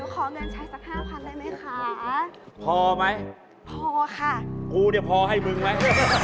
โปรดติดตามตอนต่อไป